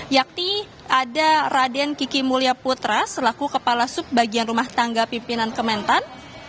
yakni ada raden kiki mulya putra selaku kepala subbagian rumah tangga pimpinan kementan